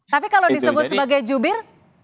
tapi kalau disebut sebagai jubir